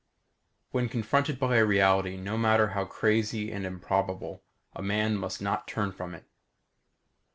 When confronted by a reality no matter how crazy and improbable, a man must not turn from it.